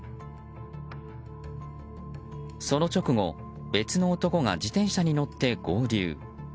その直後、別の男が自転車に乗って合流。